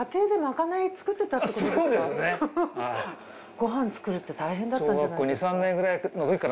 ご飯作るって大変だったんじゃないですか？